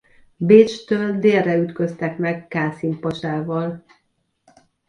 Bécstől délre ütköztek meg Kászim pasával.